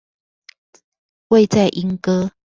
位在鶯歌